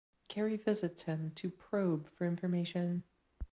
Carrie visits him to probe for information.